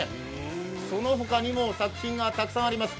そのほかにも作品がたくさんあります。